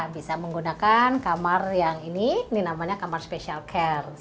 bisa menggunakan kamar yang ini ini namanya kamar special care